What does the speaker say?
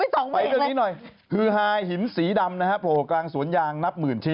ดูซิดูซิ